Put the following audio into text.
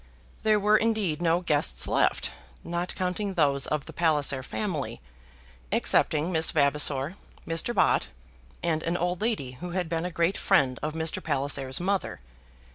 There were indeed no guests left, not counting those of the Palliser family, excepting Miss Vavasor, Mr. Bott, and an old lady who had been a great friend of Mr. Palliser's mother.